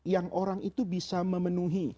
yang orang itu bisa memenuhi